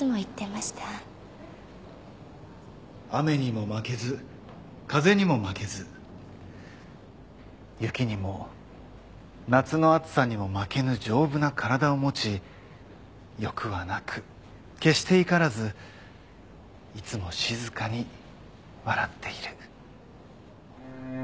「雨にも負けず風にも負けず雪にも夏の暑さにも負けぬ丈夫な体を持ち欲はなく決して怒らずいつも静かに笑っている」